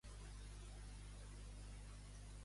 Com va cobrir al monarca Nealces?